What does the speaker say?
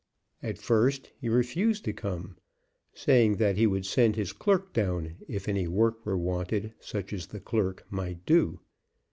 At first he refused to come, saying that he would send his clerk down if any work were wanted such as the clerk might do.